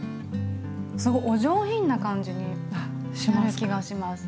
すごいお上品な感じになる気がします。